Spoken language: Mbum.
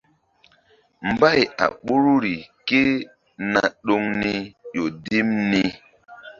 Mbay a ɓoruri ké na ɗoŋ ni ƴo dim ni.